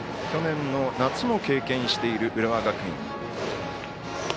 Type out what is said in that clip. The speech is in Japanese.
去年の夏も経験している浦和学院。